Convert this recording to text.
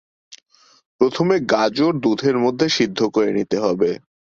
প্রথমে গাজর দুধের মধ্যে সিদ্ধ করে নিতে হবে।